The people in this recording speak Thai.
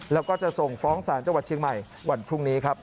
แล้วก็จะส่งฟ้องศาลจังหวัดเชียงใหม่วันพรุ่งนี้ครับ